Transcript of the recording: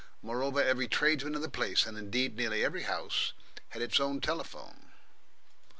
Moreover, every tradesman in the place, and indeed nearly every house, had its own telephone.